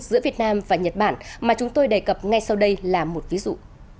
giữa việt nam và nhật bản mà chúng tôi đề cập ngay sau đây là một ví dụ